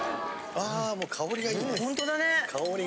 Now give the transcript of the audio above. あもう香りがいいです。